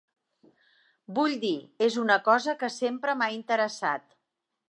Vull dir, és una cosa que sempre m'ha interessat.